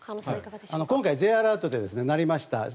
今回Ｊアラートが鳴りました。